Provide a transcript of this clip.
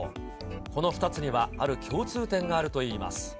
この２つにはある共通点があるといいます。